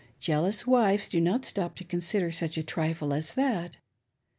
Jealous wives do not stop to consider such a trifle as that.